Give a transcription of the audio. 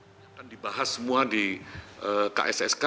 ini akan dibahas semua di kssk